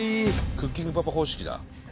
「クッキングパパ」方式だ。